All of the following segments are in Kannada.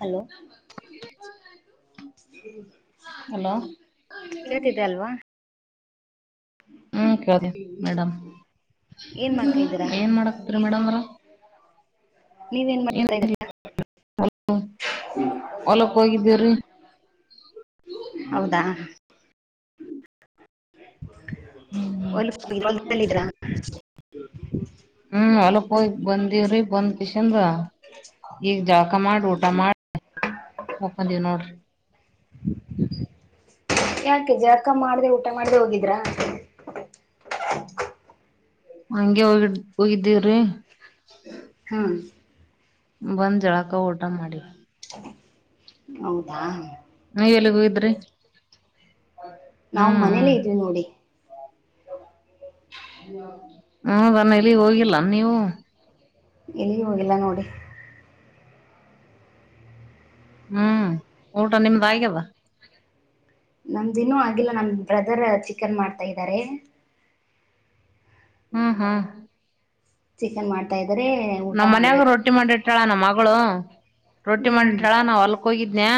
ಹಲೋ [inaudible] ಹಲೋ ಕೇಳ್ತಿದ್ದೆ ಅಲ್ವಾ ಹ್ಮ್ ಕೇಳತ್ ಮೇಡ್ಮ್. ಏನ್ ಮಾಡ್ತಾ ಇದ್ದೀರಾ ಏನ್ ಮಾಡಕ್ತರಿ ಮೇಡಮ್ರ ಆವ್ರೆ. [inaudible] ನೀವೇನ್ ಮಾಡ್ತಾ ಇದಿರಾ. ಹೊಲಕ್ಕ್ ಹೋಗಿದ್ದೀವ್ರಿ. ಹೌದಾ [inaudible] [unintelligible] [inaudible] ಹ್ಮ್ ಹೋಲಕ್ ಹೋಗ್ ಬಂದವ್ರಿ ಬಂದ್. [unintelligible] ಈಗ್ ಜಳಾಕ್ ಮಾಡ್ ಊಟ ಮಾಡಿ ಮಾಕೊಂದಿವಿ ನೋಡ್ರಿ. ಮಾಡಿದೆ ಊಟ ಮಾಡ್ದೆ ಹೋಗಿದ್ರಾ. ಹಂಗೆ ಹೋಗಿ ಹೋಗಿದ್ದೀವ್ರಿ. ಹಾ ಬಂದ್ ಜಳಕ ಊಟ ಮಾಡಿ. ಹೌದಾ ಎಗ್ರಿ ನಾವ್ ಮನೇಲ್ಲೇ ಇದ್ವಿ ನೋಡಿ. ಹ ಬನ್ನ ಇಲ್ಲಿಗ್ ಹೋಗಿಲ್ಲ ನೀವು. ಎಲ್ಲಿಗೆ ಹೋಗಿಲ್ಲ ನೋಡಿ. ಹ್ಮ್ ಊಟ ನಿಮ್ದ್ ಆಯ್ಗಿಲ್ಲ. ನಮ್ದ್ ಇನ್ನುೂ ಆಗಿಲ್ಲ ನಮ್ ರ ಚಿಕನ್ ಮಾಡ್ತಾ ಇದ್ದಾರೆ ಹ್ಮ್ ಹ್ಮ್ ಚಿಕನ್ ಮಾಡ್ತಾ ಇದ್ದಾರೆ ಊಟ ನಮ್ ಮನ್ಯಾಗ ಮಾಡ್ಬೇಕು ರೊಟ್ಟಿ ಮಾಡಿಟ್ಟಾಳ ನಮ್ಮ್ ಮಗಳು ರೊಟ್ಟಿ ಹ್ಮ್ ಮಾಡಿಟ್ಟಾಳ ನಾವ್ ಹೊಲ್ಕ್ ಹೋಗಿದ್ನಯ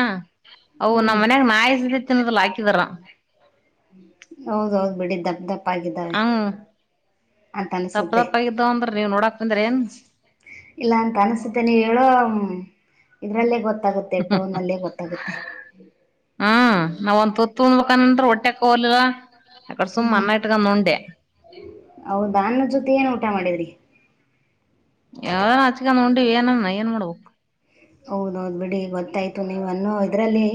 ಅವು ಹ್ಮ್ ನಮ್ ಮನ್ಯಾಗ್ ನಾಸತೇತಿ ತಿನ್ನೋದಿಲ್ಲ ಹಾಕಿದಾರ. ತಪ್ಪಾಗಿದ್ದಾವೆ ಹಂಗ ಅಂತ್ ತಪ್ಪ ಅನಸುತ್ತೆ. ತಪ್ಪ ಆಗಿದ್ದಾವ ಅಂದ್ರ ನೀವ್ ನೋಡಾಕ್ ಬಂದ್ರ ಏನ್ ಇಲ್ಲ ಅಂತ್ ಅನಸ್ತುತ್ತೆ ನೀವ್ ಹೇಳೋ [unintelligible] ಇದ್ರಲ್ಲೇ ಗೊತ್ತಾಗುತ್ತೆ ಟೋನ್ ಅಲ್ಲೇ ಗೊತ್ತಾಗುತ್ತೆ ಹ್ಮ ನಾವ್ ಒಂದ್ ತುತ್ತ್ ಉಣಬೇಕಾನನ್ ಒಟ್ಟೆಕ ಹೋಗಲಿಲ್ಲ ಅಕಡೆ ಸುಮ್ ಹ್ಮ್ ಅನ್ನ ಇಟ್ಕೊಂಡ ಉಂಡೆ. ಮದ್ ಏನ್ ಊಟ ಮಾಡಿದ್ರಿ. ಯಾವ್ ಆಚ್ಕ್ ಉಂಡಿವಿ ಏನ ಏನ್ ಮಾಡ್ಬೇಕು. ಹೌದೌದ್ ಬಿಡಿ ಗೊತ್ತಾಯ್ತು ನೀವುನ್ನೋ ಇದರಲ್ಲಿ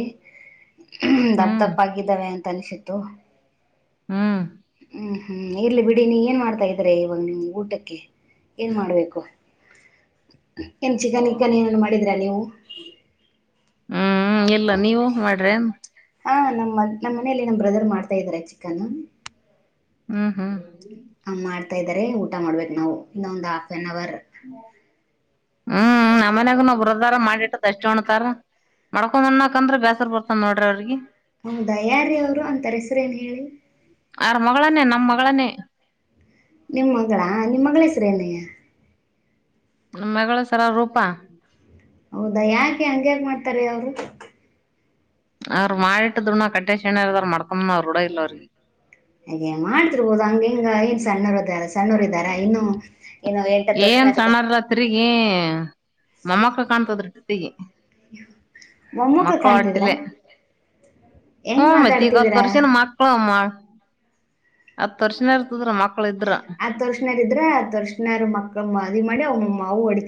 ದಪ್ಪಪ್ ಹ್ಮ್ ದಪ್ಪ್ ಆಗಿದ್ದಾವೆ ಅಂತ್ ಅನ್ಸುತ್ತೆ ತು ಹ್ಮ ಹ್ಮ್ ಇರ್ಲಿ ಬಿಡಿ ನೀ ಏನ್ ಮಾಡ್ತಾ ಇದ್ದ್ರರಿ ಇವಾಗ್ ನಿಮ್ ಊಟಕ್ಕೆ. ಏನ್ ಮಾಡ್ಬೇಕು. ಏನ್ ಚಿಕನ್ ಇಕ್ಕನ್ ಏನನ್ ಮಾಡಿದೀರಾ ನೀವು. ಹ್ಮ್ ಎಲ್ಲ ನೀವು ಮಾಡ್ರೆ. ಹಾ ನಮ್ಮ್ ನಮ್ಮ್ ಮನೆ ನಮ್ ಬ್ರದರ್ ಮಾಡ್ತಾ ಇದಾರೆ ಚಿಕನ್ ಹ್ಮ್ ಹ್ಮ್ ಇದಾರೆ ಊಟ ಮಾಡ್ಬೇಕು ನಾವು ಇನ್ನೊಂದು ಹಾಫ್ ಆನ್ ಅವರ್ ಹ್ಮ್ ನಮನ್ಯಾಗ್ ನ ಬರದಾರ ಮಾಡಿಟ್ಟತ್ ಅಷ್ಟ ಹೊಣ್ತಾರ ಮಡ್ಕೊಂಡ್ಣಾಕಂದ್ರ ಬೇಸರ್ ಬರ್ತನ್ ನೋಡ್ರಿ ಅವ್ರಗಿ. ಹೌದಾ ಯಾರೀ ಅವರು ಅಂತಾರ ಹೆಸ್ರೇನ್ ಹೇಳಿ ಆರ ಮಗಳನೆ ನಮ್ ಮಗಳನೆ. ನಿಮ್ ಮಗಳಾ ನಿಮ್ಮ್ ಮಗಳ್ ಹೆಸರು ಏನೆ. ನಮ್ ಮಗಳ ಸರ ರೂಪಾ ಹೌದಾ ಯಾಕೆ ಹಂಗಕ್ ಮಾಡ್ತಾರೆ ಅವರು. ಅವ್ರರು ಮಾಡಿ ಇಟ್ಟ್ ಊಣ ಕಟ್ಟೆ ಶಣ ಇರ್ದಾರ ಮ್ಕಮ್ನ ರೂಢ ಇ ಅವ್ರಿಗೆ. ಹಾಗ್ ಮಾಡ್ತಿರ್ಬೋದು ಹಂಗಗೆನ್ ನ್ ಸಣ್ಣರದ ಸಣ್ಣೂರ್ ಇದಾರ ಇನ್ನು ಏನು ಎಂಟತ್ತು ವರ್ಷ ಏನ್ ಆಗಿದೆ ಸಣ್ಣದ್ ತಿರುಗಿ ಮೊಮ್ಮಕ್ಕ ಕಾಣ್ತದ್ಟ ತಿಗಿ ಮೊಮ್ಮಕ್ಳ ಮಕ್ಳು ಕಾಣ್ತಿದ್ರ ಹೊಟ್ಟಲೆ ಹ ಹೆಂಗ್ ಮತ್ತ್ ಈಗ್ ಹತ್ತ್ ಮಾತಾಡ್ತಿದೀರಾ ವರ್ಷನ ಮಕ್ಳು ಹತ್ ವರ್ಷನ ಇರ್ತದ್ರ ಮಕ್ಳ ಇದ್ರ ಆ ತರ್ಷನಾರ್ ಇದ್ರೆ ಆ ತರ್ಷನಾರ್ ಮಕ್ಕ ಮ್ಮ [inaudible] ಮದುವೆ ಮಾಡಿ ಅವ್ ವು ಅಡ್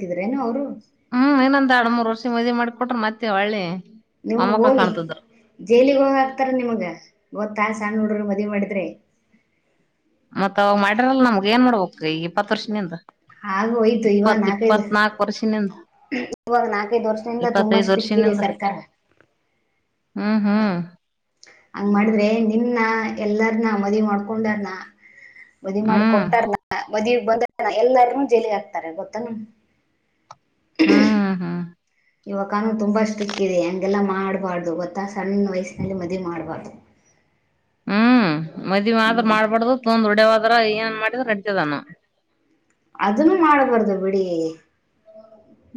ಹ್ಮ್ ಇನೊಂದ ಯಾಡ್ ಮೂರ್ ವರ್ಷ ಮದುವೆ ಮಾಡ್. ಕೊಟ್ರ ಮತ್ತೆ ಒಳ್ಳಿ. ನಿಮ ಹೋಗಿ ಜೈಲಗ್ ಹೋಗ ಆಕ್ತಾರ ನಿಮಗ ಗ ತಾಯ ಹಣ್ಣ ನೋಡ್ರಿ ಮದ್ವಿ ಮಾಡಿದ್ರೆ. [inaudible] ಮತ್ತಾ ಅವಾಗ ಮಾಡಿರಲ್ ನಮ್ಗ ಏನ್ ಮಾಡ್ಬೇಕ ಈ ಇಪ್ಪತ್ ವರ್ಷ ನಿಂದ ಆಗ ಹೋಯ್ತು ಇವಾಗ ಇಪ್ಪತ್ ನಾಲ್ಕೈದು ಇಪ್ಪತ್ ನಾಕ್ ವರ್ಷನಿಂದ ಇವಾಗ ನಾಲ್ಕೈದು ಇಪ್ಪತೈದು ವರ್ಷ ನಿಂದ. ಹಂಗ ಮಾಡಿದ್ರೆ ನಿನ್ನ ಎಲ್ಲ ನಿನ್ನ ಮದವಿ ಮಾಡ್ಕೊಂಡರ್ನಾ. ಮದುವಿ ಮಾಡಿ ಹ್ಮ್ ಕೊಟ್ಟಾರ್ನ ಬದಿ. [unintelligible] ಎಲ್ಲಾರನುೂ ಜೈಲ್ಗೆ ಹಾಕ್ತಾರೆ ಗೊತ್ತೇನು. ಹ್ಮ ಹ್ಮ ಇವಾಗ ಕಾನೂನು ತುಂಬಾ ಸ್ಟ್ರಿಕ್ ಇದೆ ಹೆಂಗೆಲ್ಲ. ಮಾಡ್ಬಾರ್ದು ಗೊತ್ತಾ ಸಣ್ಣ ವಯಸ್ಸಿನಲ್ಲಿ ಮದುವೆ ಮಾಡ್ಬಾರ್ದು. ಹ್ಮ್ ಮದ್ವಿ ಮಾತ್ರ ಹ್ಮ್ ಮಾಡ್ಬಾರ್ದು ತೊಂದ್ ಡ್ಯವದ್ರ ಏನ್ ಮಾಡಿದ್ರ ನೆಡೆತದಾನ. ಅದನ್ನು ಮಾಡಬಾರದು ಬಿಡಿ.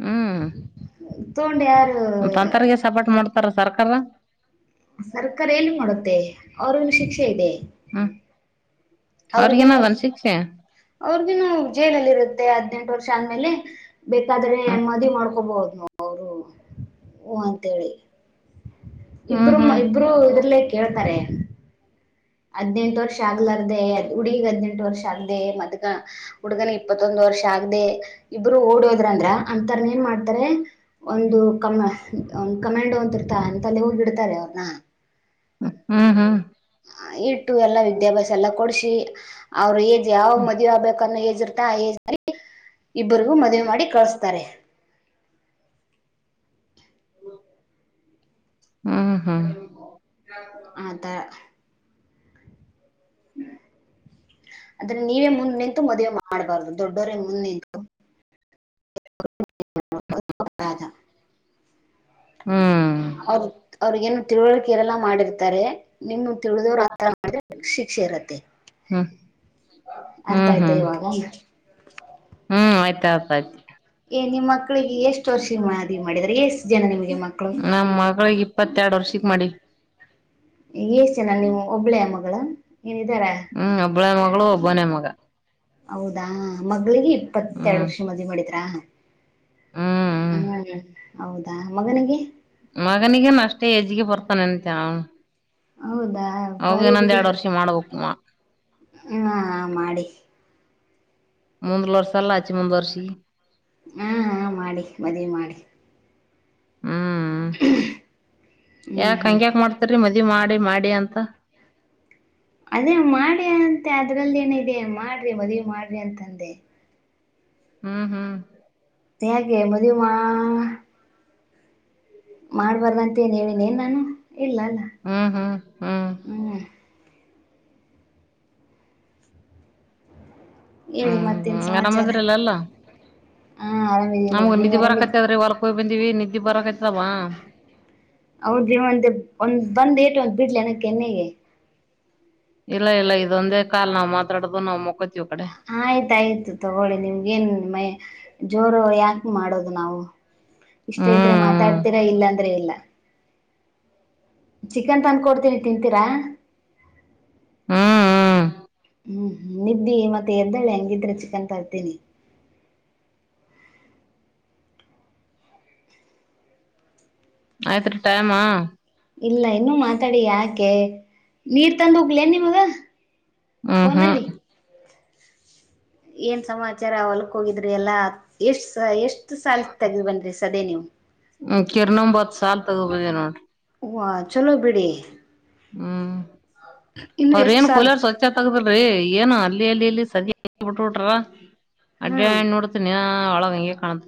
ಹ್ಮ್ ತಗೊಂಡ್ ಯಾರು ತಂತರಗೆ ಸಪೋರ್ಟ್ ಮಾಡ್ ಬರ ಸರ್ಕಾರ. ಸರ್ಕಾರ ಎನ್ ಮಾಡುತ್ತೆ ಅವ್ರಗು ಶಿಕ್ಷೆ ಇದೆ. ಹ್ಮ್ ಅವ್ರಿಗನು ಅವ್ರಿಗೇನದನ್ ಶಿಕ್ಷೆ ಅವ್ರಿಗನು ಜೇಲಲ್ಲಿ ಇರುತ್ತೆ ಹದ್ನೆೆಂಟು ವರ್ಷ ಆದ್ಮೇಲೆ ಬೇಕಾದ್ರೆ ಮದುವ ಮಾಡ್ಕೋಬೋದು. ಅವರು ಹು ಅಂತೇಳಿ. ಹ್ಮ್ ಹ್ಮ್ ಇಬ್ರುಂ ಇಬ್ರು ಇದ್ರಲೆೇ ಕೇಳ್ತಾರೆ. ಹದ್ನೆಂಟು ವರ್ಷ ಆಗ್ಲಾರ್ದೇ ಹುಡುಗಿಗ್ ಹದ್ನೆಂಟು. ಎಡು ವರ್ಷ ಆಗದೆ ಮದ್ಕ ಹುಡುಗನ ಇಪ್ಪತ್ತೊಂದು ವರ್ಷ ಆಗದೆ. ಇಬ್ಬರು ಓಡೋದ್ರ ಅಂದ್ರ ಅಂತರ್ನ ಏನ್ ಮಾಡ್ತಾರೆ ಒಂದು ಕಮ ಕಮ್ಯಾಂಡ್ ಅಂತ ಇರ್ತ ಅಂತಲ್ಲಿ ಹೋಗಿಡ್ತಾರೆ ಅವ್ರನ. ಹ್ಮ್ ಹ್ಮ್ ಇಟ್ಟು ಎಲ್ಲಾ ವಿದ್ಯಾಭ್ಯಾಸ ಎಲ್ಲ ಕೊಡ್ಸಿ ಅವ್ರು ಏಜ್ ಯಾವ ಮದ್ವೆ ಆಗ್ಬೇಕನ್ನೋ ಏಜ್ ಇರ್ತ ಆಏಜ್ ಮಾಡಿ ಇಬ್ಬರಿಗೂ ಮದ್ವೆ ಮಾಡಿ ಕಳ್ಸ್ತಾರೆ. ಹ್ಮ ಹ್ಮ ಆತರ. [unintelligible] ಅದ್ರೆ ನೀವೇ ಮುಂದ ನಿಂತು ಮದುವೆ ಮಾಡ್ಬಾರ್ದು ದೊಡ್. ಬರ್ರೆ ಮುನ್ನಿದೋ. ರಾಧಾ. ಹ್ಮ್. ಅವ್ರುಗ ಅವ್ರಗ ಏನು ತಿಳುವಳ್ಕೆ ಇರಲ್ಲಾ ಮಾಡಿರ್ತಾರೆ ನಿಮ್ಮ್ ತಿಳಿದವರು [unintelligible] ಮಾಡಿದ್ರೆ ಶಿಕ್ಷೆ ಇರತ್ತೆ. ಹ್ಮ್ ಅರ್ಥಾ ಆಯ್ತಾ ಹ್ಮ್ ಇವಾಗಾ. ಹ್ಮ್ ಆಯ್ತ ಆಯ್ತ ಆಯ್ತು ಏ ನಿಮ್ಮ ಮಕ್ಕಳಿಗೆ ಎಷ್ಟು ವರ್ಷಿಗ ಮಾದವಿ ಮಾಡಿದ್ದರ ಎಷ್ ಜನ ನಿಮ್ಗೆ ಮಕ್ಕಳು. ನಮ್ ಮಗಳಿಗೆ ಇಪ್ಪತ್ತೆರಡು ವರ್ಷಕ್ ಮಾಡಿ ಏಸ ಜನ ನೀವು ಒಬ್ಳೇ ಯಾಮ್ಮಕ್ಕ. ಗಳಂಗ. ಹ್ಮ್ ಒಬ್ಬಳೇ ಮಗಳು ಒಬ್ಬನೇ ಮಗಾ. ಔದಾ. ಮಗಳ್ಗಿ ಇಪ್ಪತ್ತೆರಡ ಹ್ಮ್ ವರ್ಷಿಗ ಮದುವೆ ಮಾಡಿದ್ರಾ. ಹ್ಮ್ ಹ್ಮ್ ಅವು ಹೋಗ್ಯಾನ. ಹೌದಾ ಮಗನಿಗೆ. ಮಗನಿಗನು ಅಷ್ಟೇ ಹೆಜ್ಗೆ ಬರ್ತಾನ ಅಂತೆ ಅವನು. ಹೌದಾ ಬರಿ ಬಿಡಿ ಮಾಡ್ಬೇಕು ಹಾ ಮಾಡಿ. ಮುಂದುಲ್ ವರ್ಷಲ್ಲ ಅಚ್ಚಿ ಮುಂದ ವರ್ಷಿ. ಹಾ ಹಾ ಮಾಡಿ ಹ್ಮ್ ಯಾಕ್ ಅಹ್ ಹಂಗ್ಯಾಕ್ ಅಹ್ಮ ಮಾಡ್ತರಿ ಮದ್ವಿ ಮಾಡಿ ಮಾಡಿ ಅಂತ ಅದೇ ಮಾಡಿ ಅಂತ. ತ್ತೆ ಅದ್ರಲ್ಲಿ ಏನ ಇದೆ ಮಾಡ್ರಿ ಮದ್ವಿ ಮಾಡ್ರಿ ಅಂನ ತಂದೆ. ಹ್ಮ್ ಹ್ಮ್. ಗೆ ಮದ್ವಿ ಮಾ. ಮಾಡ್ಬಾರ್ದಂತ ಏನ್ ಹೇಳಿನ್ ಏನ್ ನಾನು. ಇಲ್ಲಲ್ಲಾ ಹ್ಮ್ ಹ್ಮ್ ಹ್ಮ್. ಏಳಿ ಹ್ಮ್ ಮತ್ತ ಏನ್ ಸಮಾಚಾರಾ. ನಮ್ಗೂ ನಿಧಿ ಬರಾಕತ್ತೇದ್ರಿ ವರ್ಕ್ ಹೊಯ್ ಬಂದೀವಿ ನಿದ್. ದ್ದಿ ಬರಾಕತ್ತಿದವಾ. [unintelligible] ಒಂದ್ ಏಟು ಒಂದ್ ಬಿಡ್ಲಿನ ಕೆನ್ನಗೆ. ಇಲ್ಲ ಇಲ್ಲ ಇದೊಂದೇ ಕಾಲ್ ನಾವ್ ಮಾತಾಡದು ನಾವ್ ಮಕ್ಕೋತಿವ್ ಕಡೆ ಆಯ್ತಾಯ್ತು ತಗೊಳ್ಳಿ ನಿಮ್ಗೆಏನ್ ಮೈ ಜೋರು ಯಾಕ ಮಾಡೋದು ನಾವು. ಇಷ್ಟ ಇದ್ರೆ ಹ್ಮ್ ಮಾತಾಡ್ತೀರಾ ಇಲ್ಲಾ ಅಂದ್ರೆ ಇಲ್ಲ. ಚಿಕನ್ ತಂದ್ ಕೊಡ್ತೀನಿ ತಿಂತೀರಾ. ಹ್ಮ್ ಹ್ಮ್ ಹ್ಮ್ ಹ್ಮ ನಿದ್ದಿ ಮತ್ತೆ ಎದ್ದಳೆ ಹಂಗಿದ್ರೆ ಚಿಕನ್ ತರ್ತೀನಿ. ಆಯ್ತ್ರಿ ಟೈಮ ಇಲ್ಲ ಇನ್ನೂ ಮಾತಾಡಿ ಯಾಕೆ ನೀರ್ ತಂದು ಉಗ್ಲ ನಿಮಗ ಹ್ಮ್ ಹ್ಮ್ ಫೋನಲ್ಲಿ. ಏನ್ ಸಮಾಚಾರ ಹೊಲ್ಕ್ ಹೋಗಿದ್ರಿ ಎಲ್ಲ. ಎಷ್ಟ್ ಎಷ್ಟು ಸಾಲ ತೆಗ್ ಬಂದ್ರಿ ಸದೇ ನೀವು ಹ್ಮ್ ಕಿರ್ನೊಂಬತ್ ಸಾಲ್ ತಗೋಬಂದಿ ನೋಡ್ರಿ ಹ. ಚೊಲೋ ಬಿಡಿ. ಹ್ಮ ಇನ್ನು ಅವ್ರ ಎಷ್ಟ್ ಏನ್ ಸಾಲ ಕೂಲಾರ ಸ್ವಚ್ಛ ತೆಗೆದಿಲ್ಲ ರೀ ಏನು ಅಲ್ಲಿ. ಅಲ್ಲಿಲ್ಲಿಲ್ಲಿ ಸದ ಬಿಟ್ಬಟ್ರ. ಹ್ಮ್ ಅಡ್ಡಾಡಿ ನೋಡ್ತೀನಿ [unintelligible] ಹಂಗೆ ಕಾಣ್ತಾ.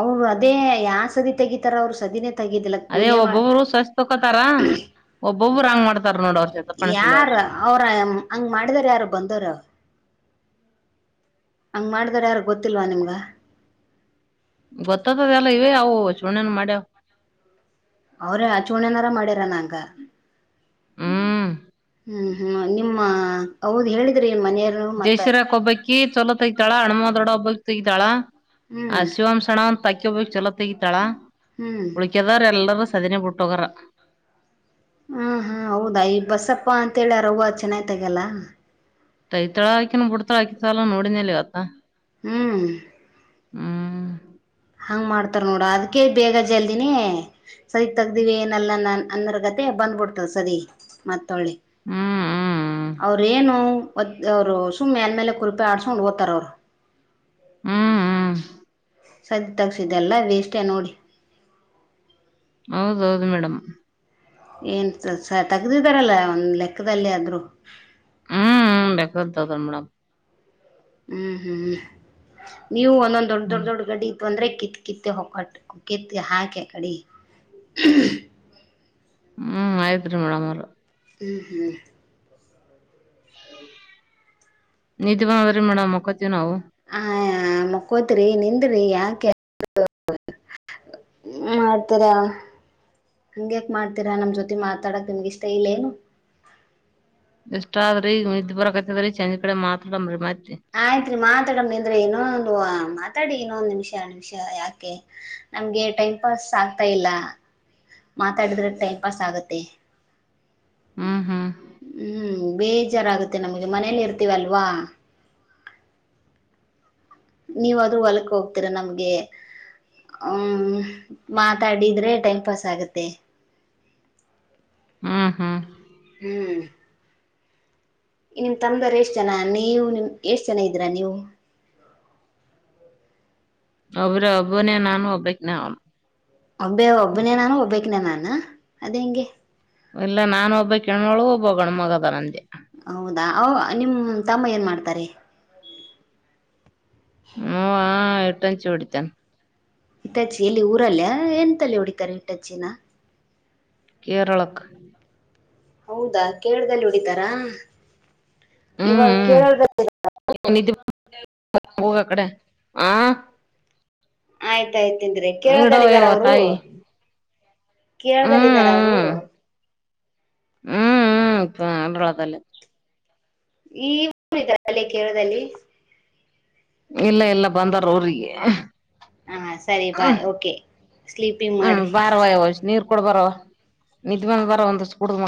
ಅವರು ಅದೇ ಯ ಸತಿ ತೆಗೀತಾರ ಅವರು. [unintelligible] ತಗಿದಿಲ್ಲ ಅದೇ ಕೂಲಿಯ ಮಾಡ ಒಬ್ಬೊಬ್ರು ಸ್ವಸ್ ತಕೋತಾರ ಒಬ್ಬೊಬ್ರು ಹಂಗ್ ಮಾಡ್ತಾರ ನೋಡ ಅವ್ರ ಜೊತೆ ಪಣಸ್ಬಳ್ಯಾರ ಯಾರ ಅವ್ರ ಹಂಗ ಮಾಡಿದಾರ ಯಾರು ಬಂದರು. ಹಂಗ್ ಮಾಡಿದರು ಯಾರು ಗೊತ್ತಿಲ್ವಾ ನಿಮ್ಗ. ಗೊತ್ತತದ ಎಲ್ಲ ಇವ ಅವು ಚುಣನ ಮಾಡ್ಯಾವ್. ಅವ್ರ ಆಚಣನಾರ ಮಾಡಿರನ ಅಂಗ ಹ್ಮ್ ಹ್ಮ್ ಹ್ಮ ನಿಮ್ಮ ಹೌದು ಹೇಳಿದ್ರೆ. ಜಯಸಿರಾಕ ಒಬ್ಬಕಿ ಚೊಲತ್ತಗಿತಾಳ ಹಣ್ಮವ ದೊಡ್ಡ ಒಬ್ಬ ತಗ್ದಾಳಾ. ಆ ಹ್ಮ್ ಶಿವಮ್ ಸಣ್ಣವ ಒಂದ ಅಕಿಬೇಕ್ ಚಲೋತ್. ತೆಗತಾಳಾ. ಹ್ಮ್ ಉಳಕ್ಯದರೆಲ್ಲರು ಸದನೆ ಬಿಟ್ಟೋಗರ. ಹ್ಮ ಹ್ಮ ಹೌದ ಈ ಬಸಪ್ಪಾ ಅಂತ ಹೇಳ್ಯಾರ ಅವ್ವ ಚೆನ್ನ ತೆಗಲ್ಲ ತೈತಳಾಕಿನ ಬುಡ್ತಳಾ ಸಲ ನೋಡಿನಲ್ಲಿ ಅತ್ತ ಹ್ಮ್ ಹ್ಮ್ ಹಂಗ್ ಮಾಡ್ ನೋಡ ಅದ್ಕ್ಕೆ ಬೇಗ ಜ ಿ ಸರಿಗ್ ತಗ್ದಿವವಿ ಏನಲ್ಲ ಅನ್ನರ್ಗತೆ ಬಂದ್ಬಿಡ್ತದೆ ಸರಿ ಮತ್ತೆ [unintelligible] ತೊಳ್ಳಿ ಹ್ಮ್ ಹ್ಮ್ ಅವ್ರ ಏನು ಒ ಅವರು ಸುಮ್ಮ್ನೆ ಎಲ್ ಮೇಲೆ ಕುರುಪೆ ಆಡ್ಸ್ಕೊಂಡ್ ಓ್ತರ ಅವರು ಹ್ಮ್ ಹ್ಮ್ ಸದ ತಗಸಿದೆಲ್ಲ ವೇಸ್ಟ್ ನೋಡಿ ಹೌದೌದು ಮೇಡಮ್ ಏನು ಸ ತೆಗದಿದ್ದಾರಲ್ಲ ಒಂದು ಲೆಕ್ಕದಲ್ಲಿ ಆದರೂ ಹ್ಮ ಬೇಕತದ ಮೇಡಂ ಹ್ಮ್ ಹ್ಮ್ ಹ್ಮ್ ನೀವು ಒಂದೊಂದ್ ದೊಡ್ಡ ದೊಡ್ಡ ಹ್ಮ್ ದೊಡ್ ಗಡಿ ಇತ್ತು ಅಂದ್ರೆ ಕಿತ್ತಿ ಕಿತ್ತಿ ಹೊಕಟ ಕಿತ್ಲಿ ಹಾಕಿ ಆಕಡಿ [inaudible] ಹ್ಮ್ ಆಯ್ತ್ ರೀ ಮೇಡಮ್ ಅವರು ಹ್ಮ್ ಹ್ಮ್ [inaudible] ಬಂದದ್ರಿ ಮೇಡಮ್ ಮಕ್ಕೋತೀವಿ ನಾವು ಆ ಮಕ್ಕೋತ್ರಿ ನಿನ್ ರೀ ಯಾಕೆ ಮಾಡ್ತೀರಾ ಹಂಗ್ಯಾಕ ಮಾಡ್ತೀರಾ ನಮ್ಮ ಜೊತೆ ಮಾತಾಡಕ್ ನಿಮ್ಗಿಷ್ಟ ಇಲ್ಲ ಏನು ಇಷ್ಟ ಆದ್ರಿ ನಿದ್ ಬರಕತ್ತದ್ರೀ ಚಂಜೀ ಕಡೆ ಮಾತ್ ಆಡಂಬ್ರಿ ಮಾತ್ ಆಯ್ತ್ರಿ ಮಾತಾಡಮ್ಮ ಅಂದ್ರೆ ಏನು ಹೊಂದು ಮಾತಾಡಿ ಇನ್ನೊಂದು ನಿಮಿಷ ನಿಮಿಷ ಯಾಕೆ ನಮ್ಗೆ ಟೈಮ್ ಪಾಸ್ ಆಗ್ತಾ ಇಲ್ಲ ಮಾತಾಡಿದ್ರ ಟೈಮ್ ಪಾಸ್ ಆಗತ್ತೆ ಹಾ ಹ್ಮ್ ಬೇಜಾರಾಗುತ್ತೆ ನಮಗೆ ಮನೇಲಿ ಇರ್ತೀವ ಅಲ್ವಾ ನೀವ ಅದ್ರು ಹೊಲಕ್ ಹೋಗ್ತೀರ ನಮ್ಗೆ ಹ್ಮ ಮಾತಾಡಿದ್ರೆ ಟೈಮ್ ಪಾಸ್ ಆಗತ್ತೆ ಹ್ಮ್ ಹ್ಮ್ ಹ್ಮ್ ನಿಮ್ ತಮದಾರ್ ಎಷ್ಟ್ ಜನ ನೀವು ನಿಮ ಎಷ್ಟ್ ಜನ ಇದೀರಾ ನೀವು ಒಬ್ಬ್ರ ಒಬ್ಬನೇ ನಾನು ಒಬ್ಬಕ್ನೆ ಅವನು ಒಬ್ಬೇ ಒಬ್ಬನೇ ನಾನು ಒಬ್ಬಕ್ನೆ ನಾನು ನಾ ಅದು ಹೆಂಗೆ. ವಿಲ್ಲ ನಾನು ಒಬ್ಬಿಕ ಕೆಣ್ಮೊಳು ಒಬ್ಬ ಗಣ್ಮಗ ಅದಾರ ಅಂದೇ. ಹೌದಾ ನಿಮ್ಮ ತಮ್ಮ ಏನು ಮಾಡ್ತಾರೆ ಮ್ಮುವಾ ಇಟ್ಟನ್ ಚೂಡಿತನ್. ಹಿತ್ತಚಿಲ್ಲಿ ಊರಲ್ಲಯ ಎಂತಲ್ಲೇ ಹೊಡಿತಾರೆ ಹಿಟ್ಟಚಿನಾ.. ಕೇರಳಕ್ಕ್. ಹೌದಾ ಕೇಳ್ದದಲ್ಲಿ ಹೊಡಿತಾರಾ. ಅಮ್ ಇವಾಗ ಕೇರಳದಲ್ಲಿ ಹ್ಮ ನಿದ್ದಿ ಬ ಹೋಗ ಆ ಕಡೆ ಆ. ಆಯ್ತ ಗಾಯತಿಂದ್ರೆ ಕೇಳ್ದ ದಲ್ಲಿ ಇದಾರ ಇಡವ್ಯವ ಅವ್ರು. ತಾಯಿ ಕೇಳ್ದಲಿ ಇದ್ದಾರ ಅವ್ರು. ಹ್ಮ್ ಹ್ಮ್ ಹ್ಮ್ ಪ್ಪಾ [unintelligible] ವಲ್ಲೇ. ಈ ಊ ದ ಅಲ್ಲೇ ಕೇಳ್ದದಲ್ಲಿ. ಇಲ್ಲ ಇಲ್ಲ ಬಂದಾರ ಊರಿಗೆ ಹಾ ಸರಿ ಹ ಬಾಯ್ ಓಕೆ ಸ್ಲೀಪಿಂಗ್ ಹ್ಮ್ ಮಾಡ್ರಿ ಬಾರವ ಯವ ಒಷ್ನೀರ್ ಕೊಡ ಬರವ ನಿದ್ದ್ ಬಂದ ಬರ ಒಂದಷ್ಟ ಕುಡ್ದಮ.